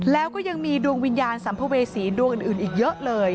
แล้วก็ยังมีดวงวิญญาณสัมภเวษีดวงอื่นอีกเยอะเลย